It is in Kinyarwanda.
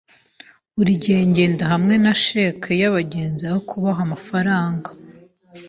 Buri gihe ngenda hamwe na cheque yabagenzi aho kuba amafaranga.